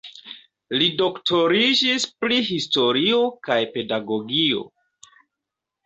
Li doktoriĝis pri historio kaj pedagogio.